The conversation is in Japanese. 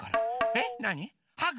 えっなに？